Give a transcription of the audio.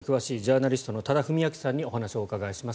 ここからは詐欺や悪徳商法に詳しいジャーナリストの多田文明さんにお話をお伺いします。